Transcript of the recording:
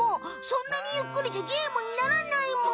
そんなにゆっくりじゃゲームにならないむ。